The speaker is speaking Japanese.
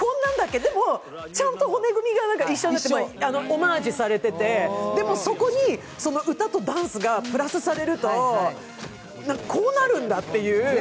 でも、ちゃんと骨組みが一緒になっていて、オマージュされていて、そこに歌とダンスがプラスされると、こうなるんだっていう。